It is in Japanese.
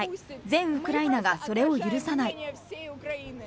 全ウクライナがそれを許さない。